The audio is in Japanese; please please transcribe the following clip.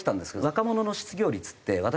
若者の失業率って私